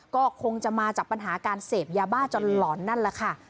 ก็คงจะมาจากปัญหาการเสพยาบ้าจนหลอนนั่นแหละค่ะ